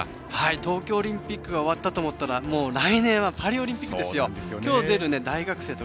東京オリンピックが終わったと思ったらもう来年はオリンピックですよ。